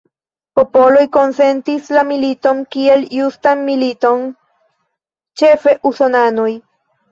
Popoloj konsentis la militon kiel justan militon, ĉefe usonanoj.